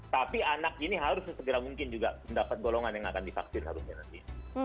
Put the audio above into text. tapi anak ini harus sesegera mungkin juga mendapat golongan yang akan divaksin harusnya nanti